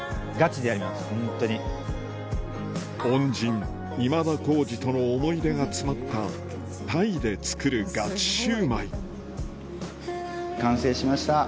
恩人今田耕司との思い出が詰まったタイで作るガチシュウマイ完成しました。